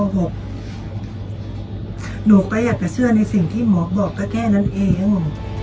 หนูก็อยากจะเชื่อในสิ่งที่หมอบอกก็แค่นั้นเอง